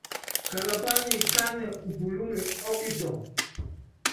Kalabá nyi kánɛ u pulúŋe ɔ kitɔŋɔ.